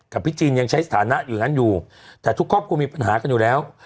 พี่จีนยังใช้สถานะอยู่นั้นอยู่แต่ทุกครอบครัวมีปัญหากันอยู่แล้ว